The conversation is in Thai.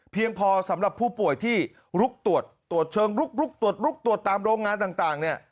พอสำหรับผู้ป่วยที่ลุกตรวจตรวจเชิงลุกตรวจลุกตรวจตามโรงงานต่างเนี่ย